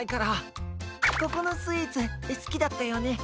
ここのスイーツすきだったよね？